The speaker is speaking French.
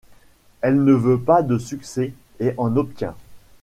Elle ne veut pas de succès et en obtient.